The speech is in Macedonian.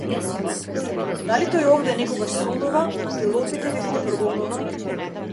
Дали тој овде некогаш сонува антилопите дека ги ги прогонува?